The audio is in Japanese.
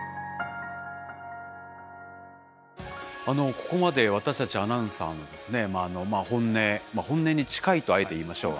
ここまで私たちアナウンサーの本音本音に近いとあえて言いましょう。